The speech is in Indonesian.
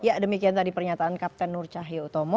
ya demikian tadi pernyataan kapten nur cahyotomo